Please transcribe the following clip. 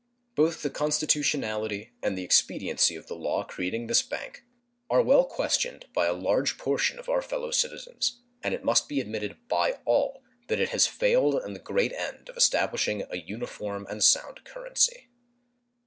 Both the constitutionality and the expediency of the law creating this bank are well questioned by a large portion of our fellow citizens, and it must be admitted by all that it has failed in the great end of establishing an uniform and sound currency.